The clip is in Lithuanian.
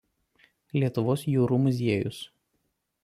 Lietuvos jūrų muziejus.